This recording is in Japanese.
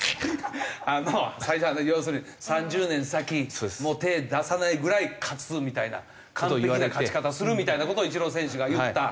最初要するに３０年先もう手出さないぐらい勝つみたいな完璧な勝ち方をするみたいな事をイチロー選手が言った。